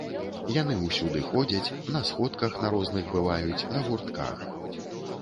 Яны ўсюды ходзяць, на сходках на розных бываюць, на гуртках.